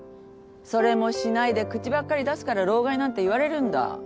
それもしないで口ばっかり出すから老害なんて言われるんだ。